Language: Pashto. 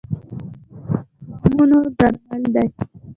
موزیک د غمونو درمل دی.